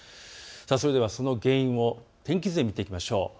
それではその原因を天気図で見ていきましょう。